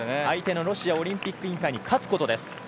相手のロシアオリンピック委員会に勝つことです。